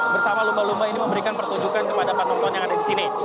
bersama lumba lumba ini memberikan pertunjukan kepada penonton yang ada di sini